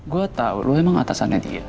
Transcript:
gua tau lo emang atasannya dia